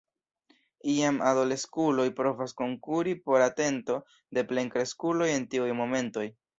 Iam adoleskuloj provas konkuri por atento de plenkreskuloj en tiuj momentoj.